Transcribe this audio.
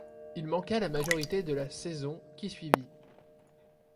Il manqua la majorité de la saison qui suivit.